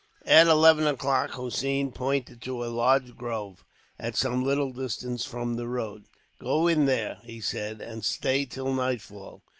At eleven o'clock, Hossein pointed to a large grove, at some little distance from the road. "Go in there," he said, "and stay till nightfall.